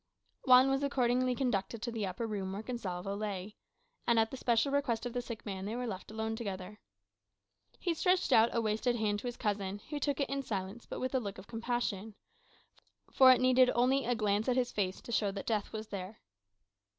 Juan was accordingly conducted to the upper room where Gonsalvo lay. And at the special request of the sick man, they were left alone together. He stretched out a wasted hand to his cousin, who took it in silence, but with a look of compassion. For it needed only a glance at his face to show that death was there.